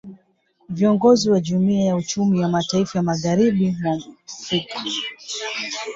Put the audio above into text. Viongozi wa jumuia ya uchumi ya mataifa ya magharibi mwa Afrika